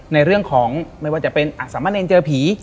ในเรื่องของไม่ว่าจะเป็นสัมพันธ์เองเจอผี